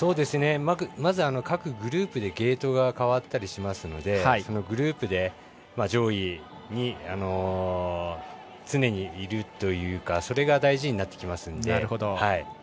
まず各グループでゲートが変わったりしますのでそのグループで上位に常にいるというかそれが大事になってきますので。